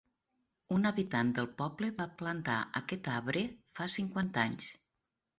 Un habitant del poble va plantar aquest arbre fa cinquanta anys.